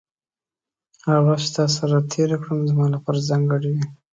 هره ورځ چې تا سره تېره کړم، زما لپاره ځانګړې وي.